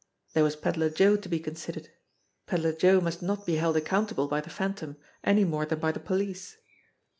There was Pedler Joe to be considered. Pedler Joe must not be held accountable by the Phantom, any more than by the police.